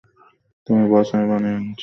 তুমি বস, আমি বানিয়ে আনছি।